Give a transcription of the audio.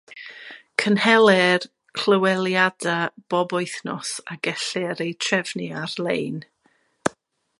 Cynhelir clyweliadau bob wythnos a gellir eu trefnu ar-lein.